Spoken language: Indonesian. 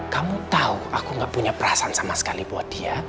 kamu tahu aku gak punya perasaan sama sekali buat dia